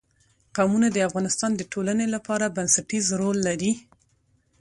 قومونه د افغانستان د ټولنې لپاره بنسټيز رول لري.